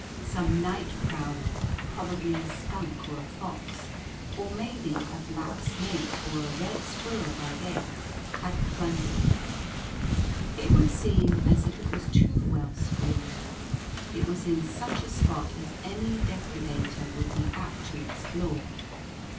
Some night prowler, probably a skunk or a fox, or maybe a black snake or a red squirrel by day, had plundered it. It would seem as if it was too well screened; it was in such a spot as any depredator would be apt to explore.